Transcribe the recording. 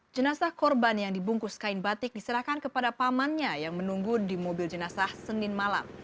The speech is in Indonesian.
jenazah korban yang dibungkus kain batik diserahkan kepada pamannya yang menunggu di mobil jenazah senin malam